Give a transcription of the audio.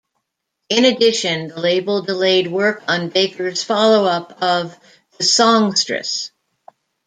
In addition, the label delayed work on Baker's follow-up of "The Songstress".